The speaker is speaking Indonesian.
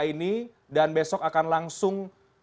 ini dan besok akan langsung